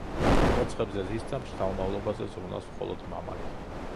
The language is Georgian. კვერცხებზე ზის და შთამომავლობაზე ზრუნავს მხოლოდ მამალი.